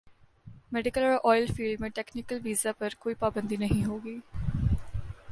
medical اور oil field میں technical visa پر کوئی پابندی نہیں ہوگی